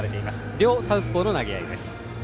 両サウスポーの投げ合いです。